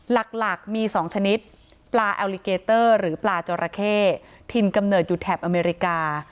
หลักมี๒ชนิดปลาแอลลิเกเตอร์หรือปลาจอราเข้ถิ่นกำเนิดอยู่แถบอเมริกา